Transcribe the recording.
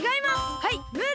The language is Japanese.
はいムール！